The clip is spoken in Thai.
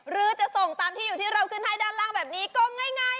หรือจะส่งตามที่อยู่ที่เราขึ้นให้ด้านล่างแบบนี้ก็ง่าย